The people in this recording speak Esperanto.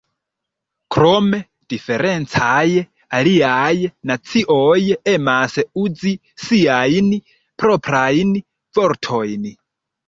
Krome, diferencaj aliaj nacioj emas uzi siajn proprajn vortojn.